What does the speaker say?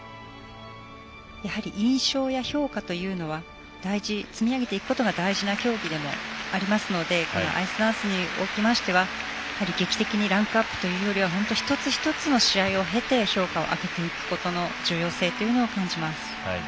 やはり印象や評価というのは積み上げていくことが大事な競技でもありますのでアイスダンスにおきましては劇的にランクアップというよりは本当に一つ一つの試合を経て評価を上げていくことの重要性を感じます。